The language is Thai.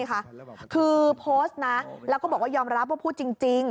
คือโพสต์นะแล้วก็บอกว่ายอมรับว่าพูดจริง